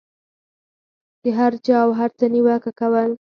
د هر چا او هر څه نیوکه کول.